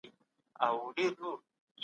سياستپوهنه د کومو پايلو سره سروکار لري؟